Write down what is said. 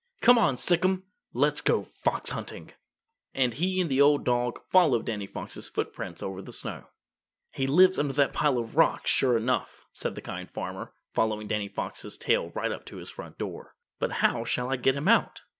"Come on, Sic'em! Let's go fox hunting!" And he and the old dog followed Danny Fox's footprints over the snow. "He lives under that pile of rocks, sure enough," said the Kind Farmer, following Danny Fox's trail right up to his front door. "But how shall I get him out?"